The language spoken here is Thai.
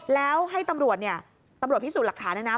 แล้วให้ตำรวจเนี่ยตำรวจพิสูจน์หลักฐานนะนะ